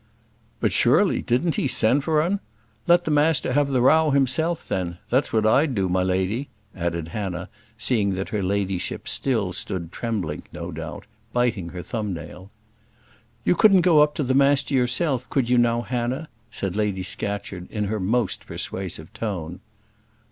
"But sure ly didn't he send for 'un? Let the master have the row himself, then; that's what I'd do, my lady," added Hannah, seeing that her ladyship still stood trembling in doubt, biting her thumb nail. "You couldn't go up to the master yourself, could you now, Hannah?" said Lady Scatcherd in her most persuasive tone.